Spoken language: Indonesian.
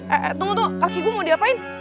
eh tunggu tuh kaki gue mau diapain